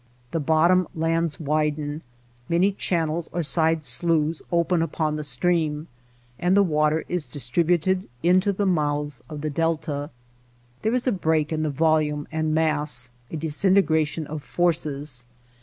The bottom lands widen, many channels or side sloughs open upon the stream, and the water is distributed into the mouths of the delta. There is a break in the volume and mass — a disintegration of forces.